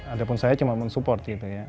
adapun saya cuman men support gitu ya